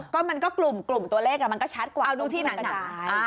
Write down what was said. ก็มันก็กลุ่มตัวเลขมันก็ชัดกว่าตรงที่มันหนา